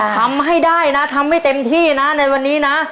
ทำให้ได้นะทำให้เต็มที่นะในวันนี้นะ